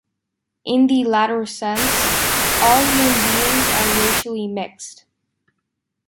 In the latter sense, all human beings are racially mixed.